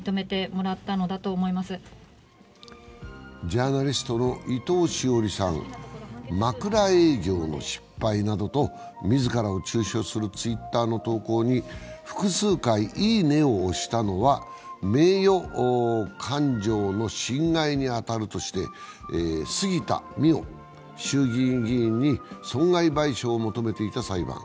ジャーナリストの伊藤詩織さん、枕営業の失敗などと自らを中傷するＴｗｉｔｔｅｒの投稿に複数回「いいね」を押したのは名誉感情の侵害に当たるとして杉田水脈衆議院議員に損害賠償を求めていた裁判。